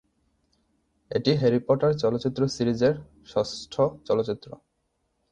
এটি Harry Potter চলচ্চিত্র সিরিজের ষষ্ঠ চলচ্চিত্র।